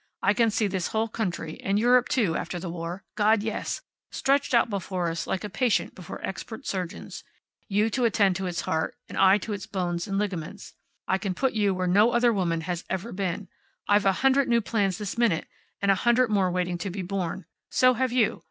I can see this whole country and Europe, too, after the war God, yes! stretched out before us like a patient before expert surgeons. You to attend to its heart, and I to its bones and ligaments. I can put you where no other woman has ever been. I've a hundred new plans this minute, and a hundred more waiting to be born. So have you.